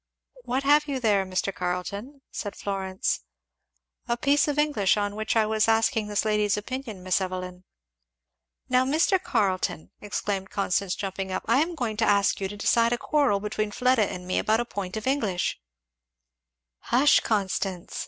"What have you there, Mr. Carleton?" said Florence. "A piece of English on which I was asking this lady's opinion, Miss Evelyn." "Now, Mr. Carleton!" exclaimed Constance jumping up, "I am going to ask you to decide a quarrel between Fleda and me about a point of English" "Hush, Constance!"